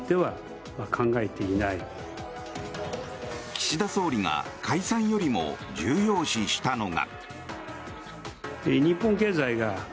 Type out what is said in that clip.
岸田総理が解散よりも重要視したのが。